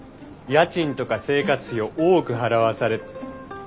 家賃とか生活費を多く払わされ。